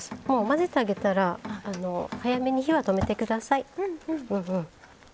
もう混ぜてあげたら早めに火は止めて下さい。